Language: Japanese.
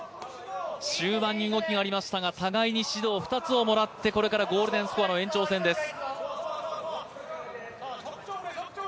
終盤に動きがありましたが互いに指導２つをもらって、これからゴールデンスコアの延長戦です。